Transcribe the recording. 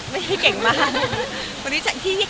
ไม่ได้ชวนใครเพราะต้องชวนเหลือเพื่อน